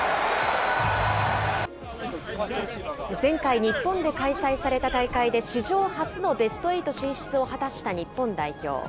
前回、日本で開催された大会で史上初のベストエイト進出を果たした日本代表。